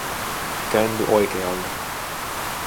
Käänny oikealle